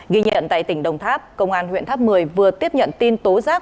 ghi nhận tại tỉnh đồng tháp công an huyện tháp một mươi vừa tiếp nhận tin tố giác